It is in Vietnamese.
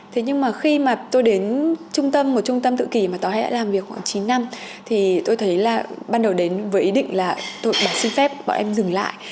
thế nhưng mà khi mà tôi đến trung tâm một trung tâm tự kỷ mà tôi đã làm việc khoảng chín năm thì tôi thấy là ban đầu đến với ý định là tôi bỏ xin phép bọn em dừng lại